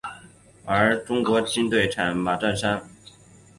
而中国军队参与将领为马占山。